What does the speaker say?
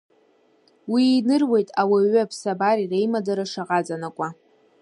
Уи иныруеит ауаҩи аԥсабареи реимадара шаҟа аҵанакуа.